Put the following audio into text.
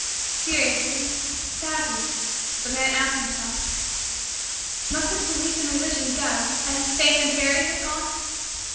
Seriously, sadly, the man asked himself: must his belief in Religion go as his faith in fairies had gone?